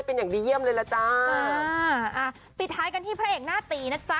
เป็นอย่างดีเยี่ยมเลยล่ะจ้าอ่าอ่าปิดท้ายกันที่พระเอกหน้าตีนะจ๊ะ